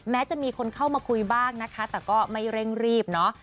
จะมีคนเข้ามาคุยบ้างนะคะแต่ก็ไม่เร่งรีบเนอะ